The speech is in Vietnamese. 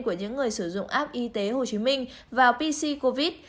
của những người sử dụng app y tế hồ chí minh vào pc covid